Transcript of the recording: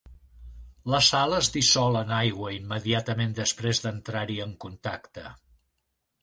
La sal es dissol en aigua immediatament després d'entrar-hi en contacte.